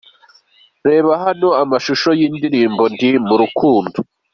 Reba Hano amashusho y’indirimbo “Ndi Mu Rukundo”:.